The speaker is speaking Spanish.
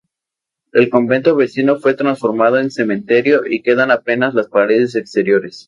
El convento vecino fue transformado en cementerio y quedan apenas las paredes exteriores.